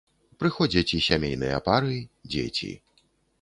Прыходзяць і сямейныя пары, дзеці.